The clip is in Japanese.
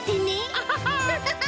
アハハッ！